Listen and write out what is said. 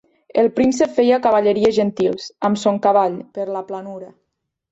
El príncep feia cavalleries gentils, amb son cavall, per la planura.